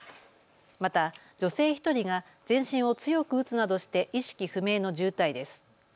また女性１人が全身を強く打つなどして意識不明の重体です。